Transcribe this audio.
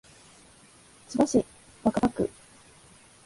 千葉市若葉区